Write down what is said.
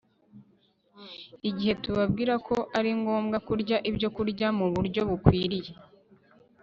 igihe tubabwira ko ari ngombwa kurya ibyokurya mu buryo bukwiriye